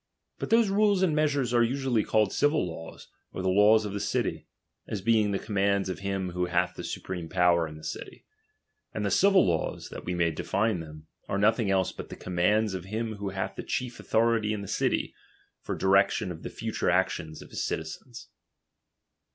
But those iToles and measures are usually called the civil laws, or the laws of the city, as being the commands of him who hath the supreme power in the city. And t ixe civil laws (that we may define them) are nothing else but the commands of him who hath ^^ chief authority in the city, for direction of ^ fie future actions of his citizens.